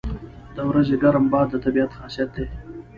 • د ورځې ګرم باد د طبیعت خاصیت دی.